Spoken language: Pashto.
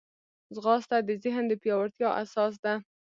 ځغاسته د ذهن د پیاوړتیا اساس ده